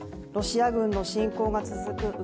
ロシア軍の侵攻が続く